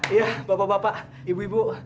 iya bapak bapak ibu ibu